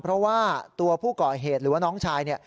เพราะว่าตัวผู้ก่อเหตุหรือว่าน้องชาย